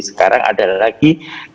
sekarang ada lagi